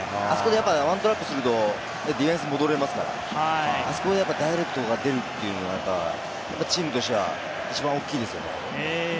あそこでワントラップするとディフェンス戻られますから、あそこでダイレクトが出るというのが、チームとしては一番大きいですよね。